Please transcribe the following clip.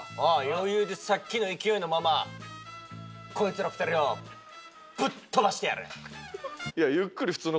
余裕でさっきの勢いのままこいつら２人をぶっ飛ばしてやる！